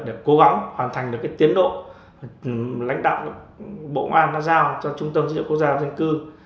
để cố gắng hoàn thành được tiến độ lãnh đạo bộ ngoan đã giao cho trung tâm dữ liệu quốc gia dân cư